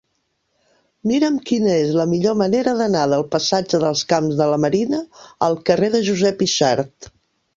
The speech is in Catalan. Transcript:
Mira'm quina és la millor manera d'anar del passatge dels Camps de la Marina al carrer de Josep Yxart.